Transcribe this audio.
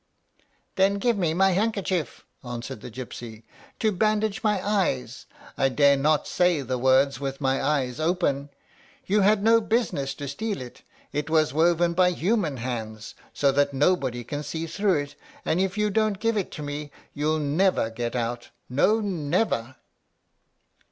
"Then give me my handkerchief," answered the gypsy, "to bandage my eyes. I dare not say the words with my eyes open. You had no business to steal it. It was woven by human hands, so that nobody can see through it; and if you don't give it to me, you'll never get out, no, never!"